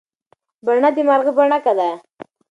بڼه د مارغه بڼکه ده.